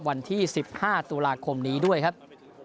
วันที่๑๕ตุลาคมนี้ด้วยครับ